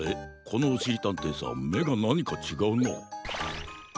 このおしりたんていさんめがなにかちがうな。